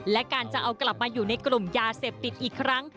และการจะเอากลับมาอยู่ในกลุ่มยาเสพติดอีกครั้ง